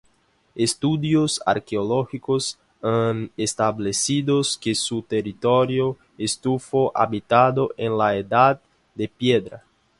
Estudios arqueológicos han establecido que su territorio estuvo habitado en la edad de piedra.